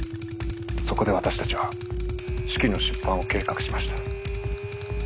そこで私たちは手記の出版を計画しました。